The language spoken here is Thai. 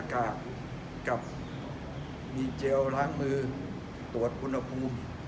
ก็คือตรวจคุณภูมิ